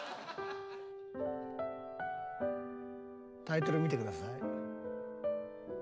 タイトル見てください。